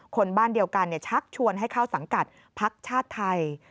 คนบ้านเดียวกันชักชวนให้เข้าสังกัดพักชาติไทย